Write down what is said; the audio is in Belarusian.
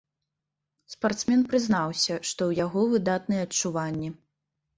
Спартсмен прызнаўся, што ў яго выдатныя адчуванні.